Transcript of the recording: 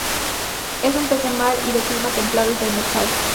Es un pez de mar y de clima templado y demersal.